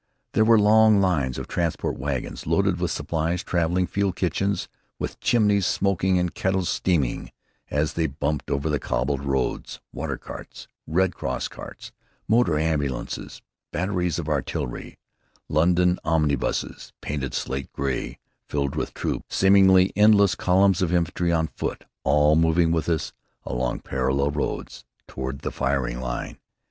There were long lines of transport wagons loaded with supplies, traveling field kitchens, with chimneys smoking and kettles steaming as they bumped over the cobbled roads, water carts, Red Cross carts, motor ambulances, batteries of artillery, London omnibuses, painted slate gray, filled with troops, seemingly endless columns of infantry on foot, all moving with us, along parallel roads, toward the firing line.